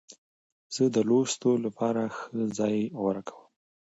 زه د لوستو لپاره ښه ځای غوره کوم.